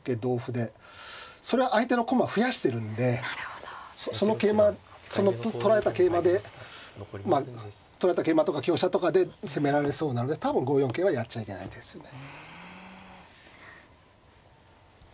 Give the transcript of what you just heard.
それは相手の駒増やしてるんでその桂馬その取られた桂馬で取られた桂馬とか香車とかで攻められそうなので多分５四桂はやっちゃいけない手ですね。